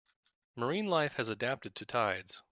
Marine life has adapted to tides.